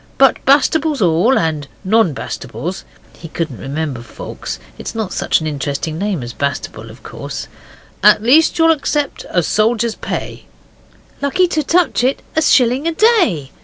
But, Bastables all, and and non Bastables' (he couldn't remember Foulkes; it's not such an interesting name as Bastable, of course) 'at least you'll accept a soldier's pay?' 'Lucky to touch it, a shilling a day!